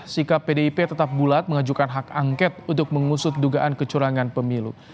sikap pdip tetap bulat mengajukan hak angket untuk mengusut dugaan kecurangan pemilu